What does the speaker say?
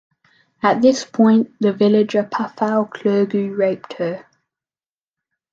At this point the villager Pathau Clergue raped her.